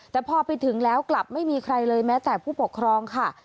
แต่พอไปถึงแล้วกลับไม่มีใครเลยแม้แต่ผู้ปกครองค่ะ